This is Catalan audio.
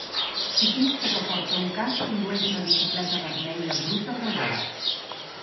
Ciclista que porta un casc condueix una bicicleta vermella bruta pel bosc.